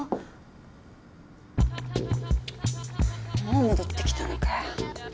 もう戻ってきたのかよ。